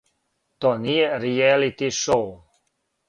То није ријелити шоу.